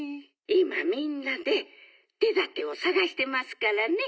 「いまみんなでてだてをさがしてますからね」。